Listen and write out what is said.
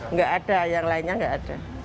nggak ada yang lainnya nggak ada